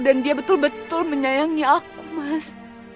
dan dia betul betul menyayangi aku mas